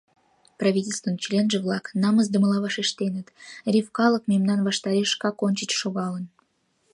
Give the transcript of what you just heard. Правительствын членже-влак намысдымыла вашештеныт: «Риф калык мемнан ваштареш шкак ончыч шогалын».